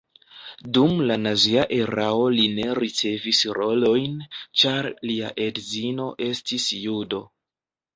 Dum la nazia erao li ne ricevis rolojn, ĉar lia edzino estis judo.